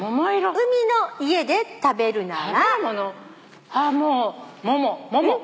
「海の家で食べるなら」